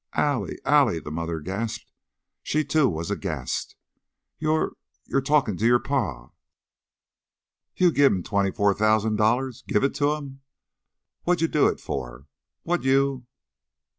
"Allie Allie!" the mother gasped. She, too, was aghast. "You you're talkin' to your pa!" "You give him twenty four thousan' dollars? Give it to him? Wha'd you do it for? Wha'd you